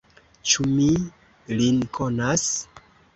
Ĉu mi lin konas?